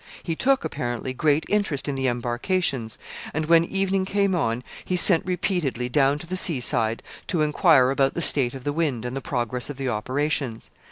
He took, apparently, great interest in the embarkations, and, when evening came on, he sent repeatedly down to the sea side to inquire about the state of the wind and the progress of the operations.